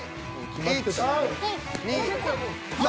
１２３４。